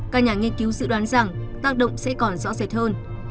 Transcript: các nhà nghiên cứu dự đoán rằng tác động sẽ còn rõ rệt hơn